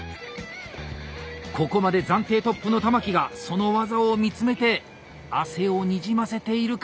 ここまで暫定トップの玉木がその技を見つめて汗をにじませているか！